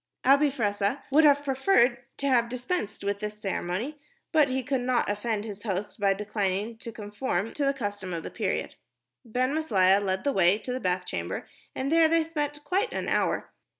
Abi Fressah would have preferred to have dispensed with this ceremony, but he could not offend his host by declining to conform to the custom of the period. Ben Maslia led the way to the bath chamber, and there they spent quite an hour.